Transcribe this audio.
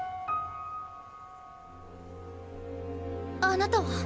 あなたは？